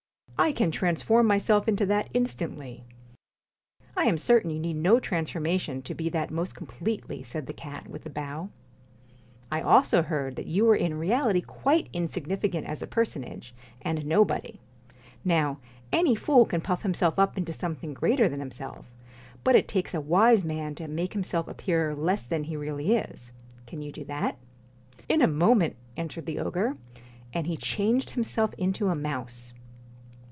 ' I can transform myself into that instantly.' I 1 am certain you need no transformation to be that most completely,' said the cat, with a bow. ' I also heard that you were in reality quite insig nificant as a personage, and a nobody. Now, any fool can puff himself up into something greater than himself, but it takes a wise man to make himself appear less than he really is Can you do 20 * In a moment,' answered the ogre, and he PUSS IN changed himself into a mouse.